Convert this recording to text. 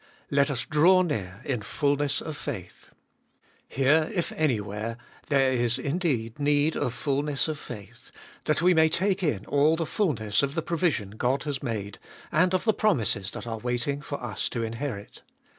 Let us draw near, in fulness of faith. Here, if anywhere, there is indeed need of fulness of faith, that we may take in all the fulness of the provision God has made, and of the promises that are waiting for us to inherit.